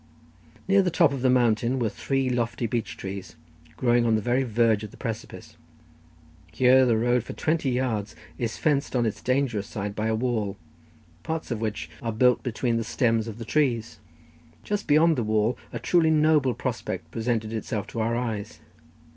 Near the top of the mountain were three lofty beech trees, growing on the very verge of the precipice. Here the road for about twenty yards is fenced on its dangerous side by a wall, parts of which are built between the stems of the trees. Just beyond the wall a truly noble prospect presented itself to our eyes.